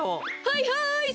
はいはい！